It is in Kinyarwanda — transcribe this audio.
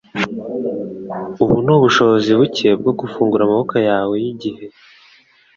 ubu nubushobozi buke bwo gufungura amaboko yawe yigihe